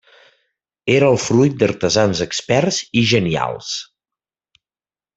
Era el fruit d'artesans experts i genials.